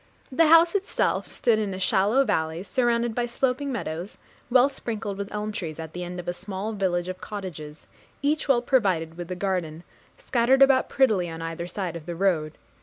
The house itself stood in a shallow valley, surrounded by sloping meadows, well sprinkled with elm trees, at the end of a small village of cottages, each well provided with a garden, scattered about prettily on either side of the road.